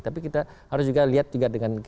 tapi kita harus juga lihat juga dengan